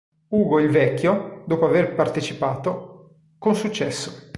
Ugo il Vecchio, dopo aver partecipato, con successo.